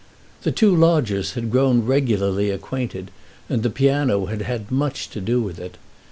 The two lodgers had grown regularly acquainted, and the piano had had much to do with it.